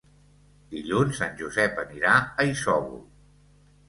Dilluns en Josep anirà a Isòvol.